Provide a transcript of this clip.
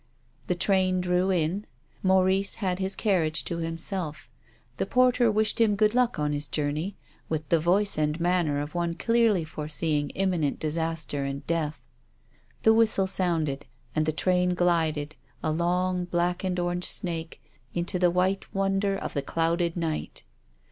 The train drew in. Maurice had his carriage to himself. The porter wished him good luck on his journey with the voice and THE LIVING CHILD. 257 manner of one clearly foreseeing imminent disaster and death. The whistle sounded, and the train glided, a long black and orange snake, into the white wonder of the clouded night.